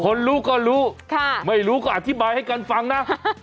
คนรู้ก็รู้ไม่รู้ก็อธิบายให้กันฟังนะ